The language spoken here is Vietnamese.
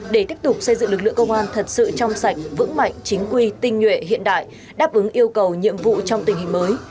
để tiếp tục xây dựng lực lượng công an thật sự trong sạch vững mạnh chính quy tinh nhuệ hiện đại đáp ứng yêu cầu nhiệm vụ trong tình hình mới